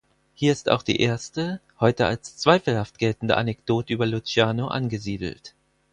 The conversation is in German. Hier ist auch die erste, heute als zweifelhaft geltende Anekdote über Luciano angesiedelt.